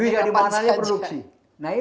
bisa dimana saja produksi